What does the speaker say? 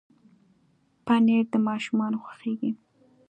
پنېر د ماشومانو خوښېږي.